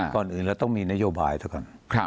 ก่อนอื่นเราต้องมีนโยบายเท่าก่อน